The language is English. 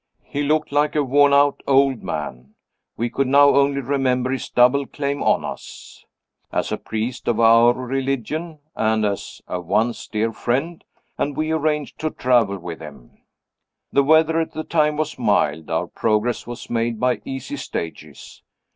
He looked like a worn out old man. We could now only remember his double claim on us as a priest of our religion, and as a once dear friend and we arranged to travel with him. The weather at the time was mild; our progress was made by easy stages.